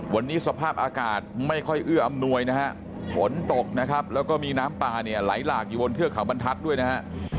วันนี้สภาพอากาศไม่ค่อยเอื้ออำนวยนะฮะฝนตกนะครับแล้วก็มีน้ำป่าเนี่ยไหลหลากอยู่บนเทือกเขาบรรทัศน์ด้วยนะฮะ